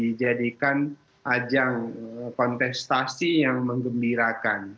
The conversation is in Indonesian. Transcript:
dijadikan ajang kontestasi yang mengembirakan